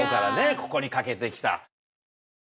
ここに懸けて来た。